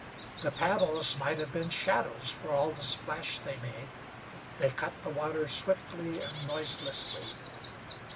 The paddles might have been shadows, for all the splash they made; they cut the water swiftly and noiselessly.